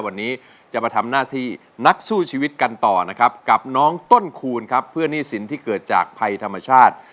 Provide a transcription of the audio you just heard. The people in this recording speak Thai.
วันนี้จะมาทำหน้าที่นักสู้ชีวิตกันต่อนะครับกับน้องต้นคูณครับเพื่อหนี้สินที่เกิดจากภัยธรรมชาติ